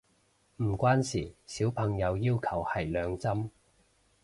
唔關事，小朋友要求係兩針